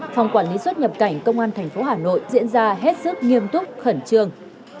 phòng quản lý xuất nhập cảnh công an tp hà nội diễn ra hết sức nghiêm túc khẩn trương